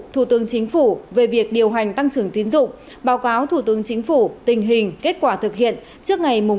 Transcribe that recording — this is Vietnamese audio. thủ tướng chính phủ về việc điều hành tăng trưởng tín dụng báo cáo thủ tướng chính phủ tình hình kết quả thực hiện trước ngày một một mươi hai hai nghìn hai mươi ba